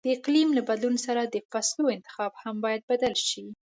د اقلیم له بدلون سره د فصلو انتخاب هم باید بدل شي.